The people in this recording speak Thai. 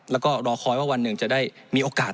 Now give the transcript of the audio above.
แล้วก็รอคอยว่าวันหนึ่งจะได้มีโอกาส